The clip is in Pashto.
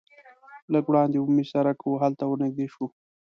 لږ وړاندې عمومي سرک و هلته ور نږدې شوو.